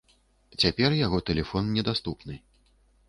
Цяпер яго тэлефон недаступны.